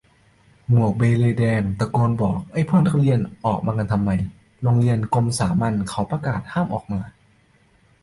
หมวกเบเล่ต์แดง ตะโกนบอกไอ้พวกนักเรียนออกมากันทำไม โรงเรียนกรมสามัญเค้ามีประกาศห้ามออกมา